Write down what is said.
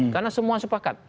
karena semua sepakat